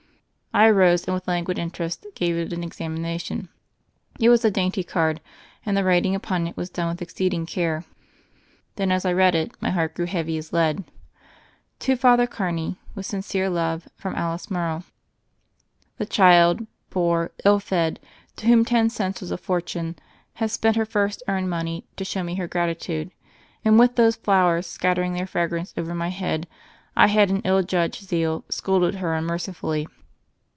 I arose and with languid interest gave it an examination. It was a dainty card, and the writing upon it was done with exceeding care. Then as I read it my heart grew heavy as lead : To Father Carney With sincere love From Alice Morrow. The child, poor, ill fed, to whom ten cents was a fortune, had spent her first earned money to show me her gratitude; and with those flowers scattering their fragrance over my head I had, in ill judged zeal, scolded her unmerci fully.